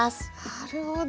なるほど。